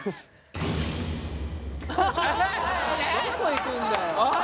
どこ行くんだよ！